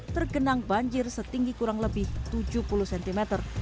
tergenang banjir setinggi kurang lebih tujuh puluh cm